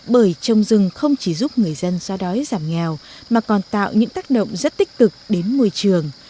bởi trồng rừng không chỉ giúp người dân xóa đói giảm nghèo mà còn tạo những tác động rất tích cực đến môi trường